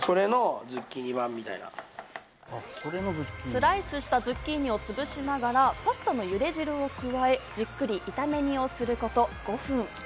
スライスしたズッキーニを潰しながら、パスタの茹で汁を加え、じっくり炒め煮をすること５分。